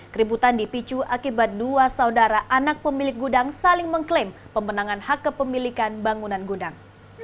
keributan dipicu akibat dua saudara anak pemilik gudang saling mengklaim pemenangan hak kepemilikan bangunan gudang